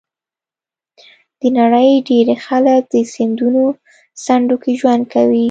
د نړۍ ډېری خلک د سیندونو څنډو کې ژوند کوي.